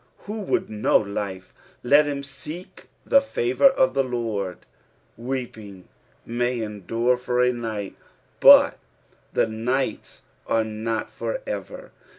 Who would know life, let him seek the favour of the Lord. "Weepinff mny endure for a night;" but nights are not for ever.